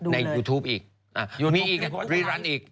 ยูทูปอีกมีอีกรีรันดิ์อีก